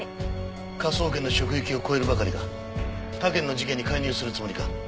科捜研の職域を越えるばかりか他県の事件に介入するつもりか？